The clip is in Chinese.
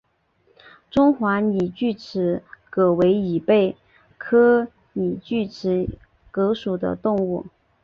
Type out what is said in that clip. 中华拟锯齿蛤为贻贝科拟锯齿蛤属的动物。